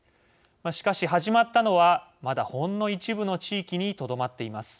しかし、始まったのはまだ、ほんの一部の地域にとどまっています。